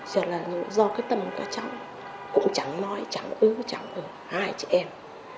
giờ là do cái tâm của các cháu cũng chẳng nói chẳng ư chẳng ừ hai chị em